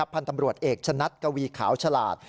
พันธุ์ตำรวจเอกชะนัดกวีขาวฉลาด